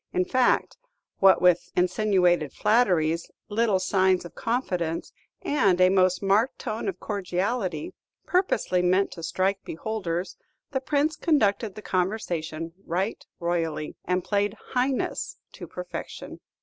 In fact, what with insinuated flatteries, little signs of confidence, and a most marked tone of cordiality, purposely meant to strike beholders, the Prince conducted the conversation right royally, and played "Highness" to perfection.